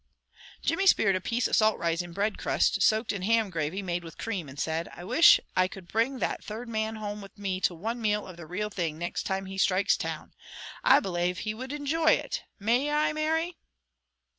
Jimmy speared a piece of salt rising bread crust soaked in ham gravy made with cream, and said: "I wish I could bring that Thrid Man home with me to one meal of the real thing nixt time he strikes town. I belave he would injoy it. May I, Mary?"